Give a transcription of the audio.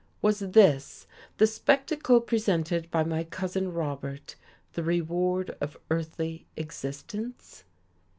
Was this, the spectacle presented by my Cousin Robert, the reward of earthly existence?